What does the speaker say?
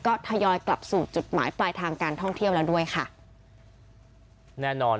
ก็ทยอยกลับสู่จุดหมายปลายทางการท่องเที่ยวแล้วด้วยค่ะแน่นอน